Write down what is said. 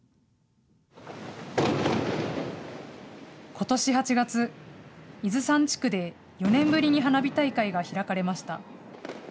ことし８月、伊豆山地区で４年ぶりに花火大会が開かれました。